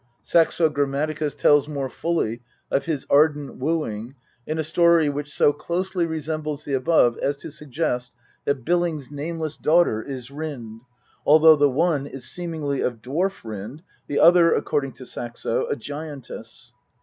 Saxo Grammaticus tells more fully of his ardent wooing in a story which so closely resembles the above as to suggest that Billing's nameless daughter is Rind, although the one is seemingly of dwarf Rind, the other, according to Saxo, a giantess.